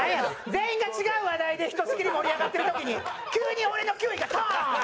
全員が違う話題でひとしきり盛り上がってる時に急に俺の９位がトーン！